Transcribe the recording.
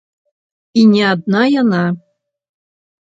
І не адна яна.